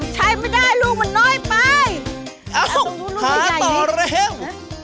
ใช้ไม่ได้ลูกมันน้อยไปเอ้าหาต่อแล้ว